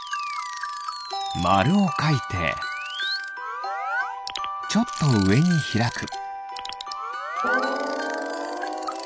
まるをかいてちょっとうえにひらく。